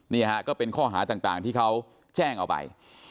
นี่ฮะก็เป็นข้อหาต่างที่เขาแจ้งเอาไป